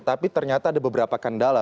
tapi ternyata ada beberapa kendala